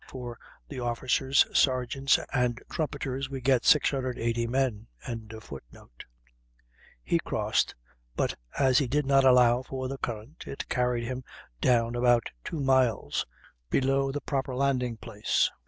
for the officers, sergeants, and trumpeters, we get 680 men.] he crossed, but as he did not allow for the current, it carried him down about two miles below the proper landing place.